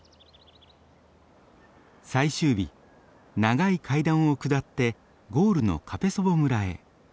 最終日長い階段を下ってゴールのカペソヴォ村へ。